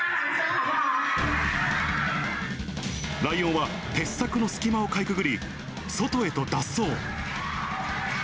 ライオンは鉄柵の隙間をかいくぐり、外へと脱走。